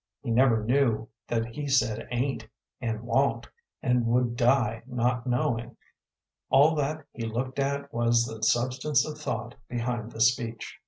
He never knew that he said "ain't" and "wa'n't," and would die not knowing. All that he looked at was the substance of thought behind the speech.